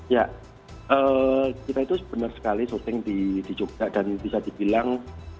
ya kita itu benar sekali syuting di jogja dan bisa dibilang